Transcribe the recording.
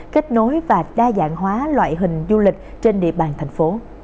kết nối và đa dạng hóa loại hình du lịch trên địa bàn tp hcm